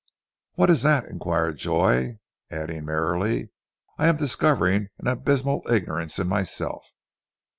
"What is that?" inquired Joy, adding merrily, "I am discovering an abysmal ignorance in myself."